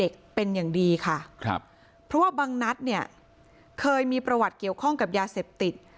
แต่เคยทำหน้าที่ไปรับส่งเด็กผู้หญิงผู้เสียหายอายุ๑๒คนเนี้ยที่โรงเรียนเป็นประจำ